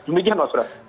demikian pak surakarta